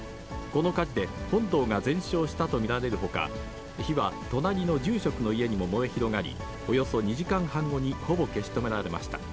この火事で本堂が全焼したと見られるほか、火は隣の住職の家にも燃え広がり、およそ２時間半後にほぼ消し止められました。